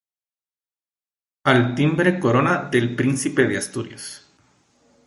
Al timbre corona del Príncipe de Asturias.